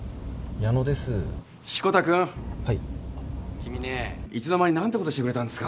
君ねいつの間に何てことしてくれたんですか。